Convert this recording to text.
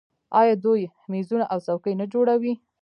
آیا دوی میزونه او څوکۍ نه جوړوي؟